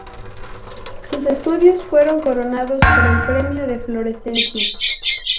Sus estudios fueron coronados por el premio de Florencia.